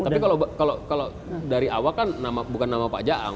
tapi kalau dari awal kan bukan nama pak jaang